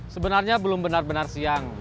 sebenarnya belum benar benar siang